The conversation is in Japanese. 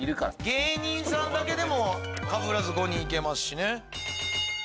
芸人さんだけでもかぶらず５人行けますしね。